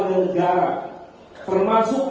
juga menunjungi du therefore what